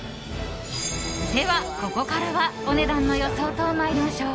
では、ここからはお値段の予想と参りましょう。